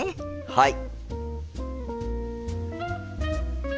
はい！